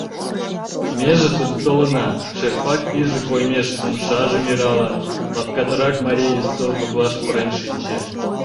Меже тудо толына, — шерпак пӱйжӧ коймеш умшажым иралын, лапкатарак марий ӱстел коклаш пурен шинче.